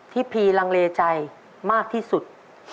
พีลังเลใจมากที่สุด